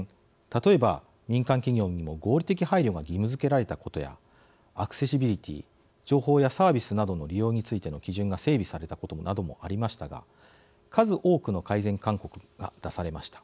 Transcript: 例えば民間企業にも合理的配慮が義務づけられたことやアクセシビリティー情報やサービスなどの利用についての基準が整備されたことなどもありましたが数多くの改善勧告が出されました。